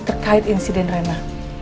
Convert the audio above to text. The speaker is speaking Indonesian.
terkait insiden rena